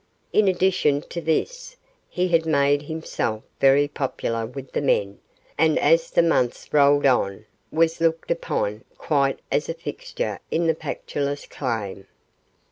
In addition to this he had made himself very popular with the men, and as the months rolled on was looked upon quite as a fixture in the Pactolus claim.